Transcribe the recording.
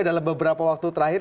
dalam beberapa waktu terakhir